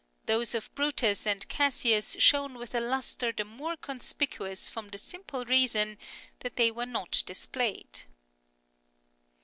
Those of Brutus and Cassius shone with a lustre the more conspicuous from the simple reason that they were not displayed " (Annals, iii.